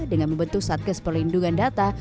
dengan membentuk satgas perlindungan data